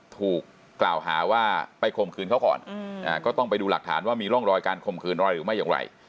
ถูกกล่าวหาว่าไปข่มขืนเขาก่อนก็ต้องไปดูหลักฐานว่ามีร่องรอยการข่มขืนรอยหรือไม่อย่างไร